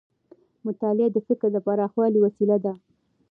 مطالعه د فکر د پراخوالي وسیله ده.